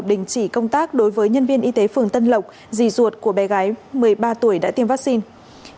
đình chỉ công tác đối với nhân viên y tế phường tân lộc dì ruột của bé gái một mươi ba tuổi đã tiêm vaccine